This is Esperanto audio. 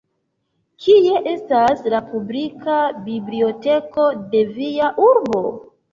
Kie estas la publika biblioteko de via urbo?